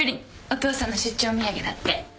お父さんの出張土産だって。